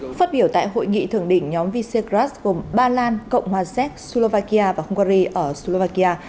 phát biểu tại hội nghị thưởng định nhóm visegras gồm ba lan cộng hòa zek slovakia và hungary ở slovakia